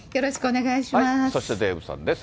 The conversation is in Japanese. そしてデーブさんです。